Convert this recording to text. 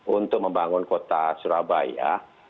untuk membangun kota surabaya